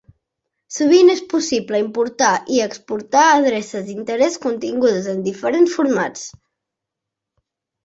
Sovint és possible importar i exportar adreces d'interès contingudes en diferents formats.